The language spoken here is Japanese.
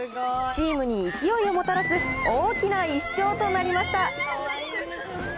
チームに勢いをもたらす大きな１勝となりました。